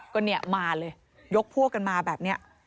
ก็เนี่ยมาเลยยกพวกกันมาแบบนี้